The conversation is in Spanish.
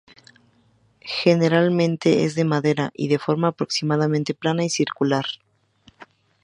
Generalmente es de madera y de forma aproximadamente plana y circular.